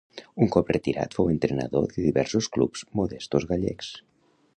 Un cop retirat fou entrenador de diversos clubs modestos gallecs.